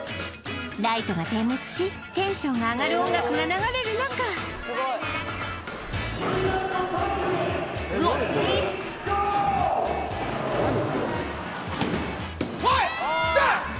ライトが点滅しテンションが上がる音楽が流れる中こいきた！